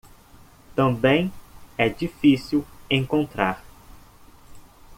Também é difícil encontrar